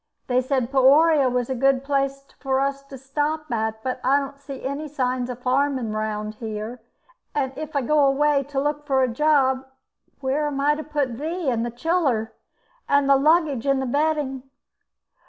They said Peoria was a good place for us to stop at, but I don't see any signs o' farmin' about here, and if I go away to look for a job, where am I to put thee and the childer, and the luggage and the bedding?"